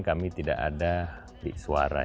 kami tidak ada di suara